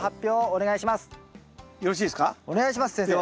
お願いします先生。